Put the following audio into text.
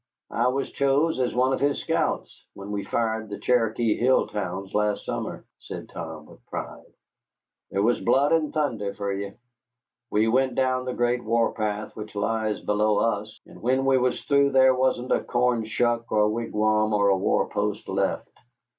"I was chose as one of his scouts when we fired the Cherokee hill towns last summer," said Tom, with pride. "Thar was blood and thunder for ye! We went down the Great War path which lies below us, and when we was through there wasn't a corn shuck or a wigwam or a war post left.